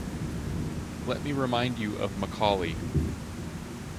Let me remind you of Macaulay.